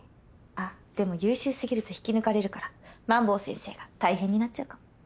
あっでも優秀すぎると引き抜かれるから萬坊先生が大変になっちゃうかも。